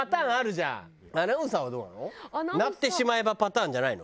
なってしまえばパターンじゃないの？